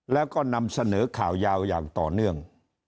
แล้วก็นำเสนอข่าวยาวอย่างต่อเนื่อง